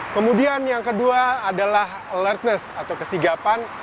kemudian yang kedua adalah alertness atau kesigapan